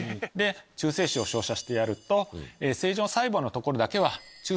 中性子を照射してやると。